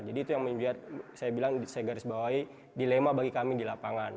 jadi itu yang saya garisbawahi dilema bagi kami di lapangan